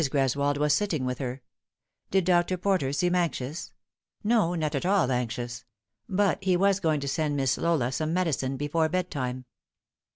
Greswold was sitting with her. Did Dr. Porter seem anxious ? No, not at all anxious ; but he was going to send Miss Laura some medicine before bed time.